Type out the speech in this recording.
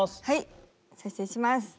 はい再生します。